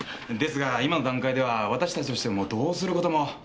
ですが今の段階では私たちとしてもどうする事も。